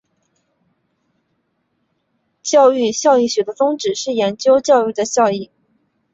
教育效益学的宗旨是研究教育的效益。